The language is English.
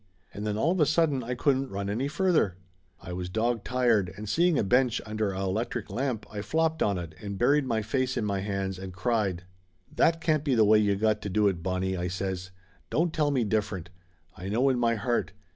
And then all of a sudden I couldn't run any further. I was dog tired, and seeing a bench under a electric lamp I flopped on it and buried my face in my hands and cried. "That can't be the way you got to do it, Bonnie !" I says. "Don't tell me different. I know in my heart.